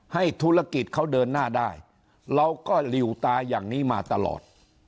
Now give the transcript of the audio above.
ให้ธุรกิจเขาเดินหน้าได้เราก็หลิวตาอย่างนี้มาตลอด